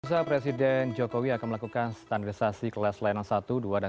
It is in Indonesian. usaha presiden jokowi akan melakukan standarisasi kelas layanan satu dua dan tiga